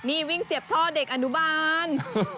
นี่วิ่งเสียบท่อเด็กอนุบาล